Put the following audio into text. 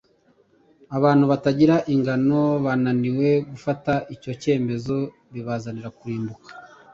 Abantu batagira ingano bananiwe gufata icyo cyemezo bibazanira kurimbuka